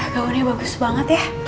gaunnya bagus sekali ya